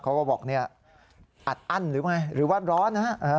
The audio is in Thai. เขาก็บอกเนี่ยอัดอั้นหรือไงหรือว่าร้อนนะฮะ